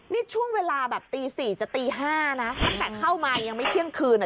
นี่ช่วงเวลาแบบตี๔จะตี๕นะตั้งแต่เข้ามายังไม่เที่ยงคืนอ่ะ